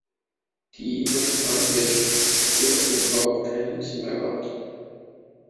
Die irische Landwirtschaft hat hiervon überhaupt keinen Nutzen gehabt.